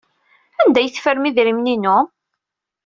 Anda ay teffrem idrimen-inu?